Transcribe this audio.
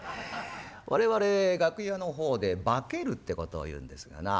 我々楽屋の方で「化ける」ってことを言うんですがなあ